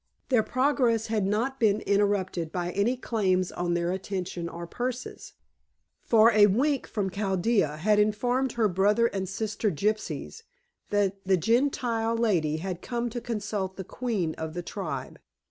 Their progress had not been interrupted by any claims on their attention or purses, for a wink from Chaldea had informed her brother and sister gypsies that the Gentile lady had come to consult the queen of the tribe.